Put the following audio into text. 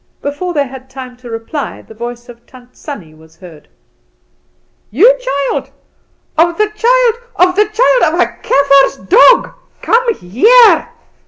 Before they had time to reply the voice of Tant Sannie was heard. "You child, of the child, of the child of a Kaffer's dog, come here!"